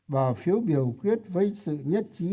bỏ phiếu biểu quyết với sự nhất trí